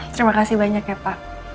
terima kasih banyak ya pak